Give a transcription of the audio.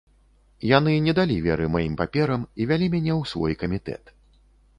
Яны не далі веры маім паперам і вялі мяне ў свой камітэт.